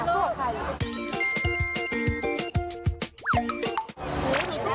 สู้กับใคร